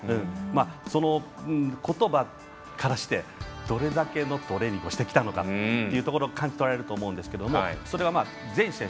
そのことばからしてどれだけのトレーニングをしてきたのかというところを感じ取られると思いますがそれが全選手